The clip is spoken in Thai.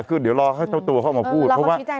คือเดี๋ยวรอให้เจ้าตัวเข้ามาพูดเพราะว่า